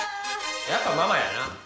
やっぱママやな。